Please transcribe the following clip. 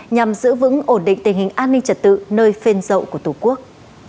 nhằm giữ vững ổn định tình hình an ninh trật tự nơi phên rậu của tổ quốc